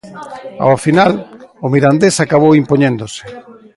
Ao final, o Mirandés acabou impoñéndose.